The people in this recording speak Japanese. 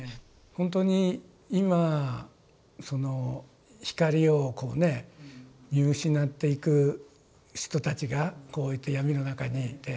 本当に今その光をこうね見失っていく人たちがいて闇の中にいて。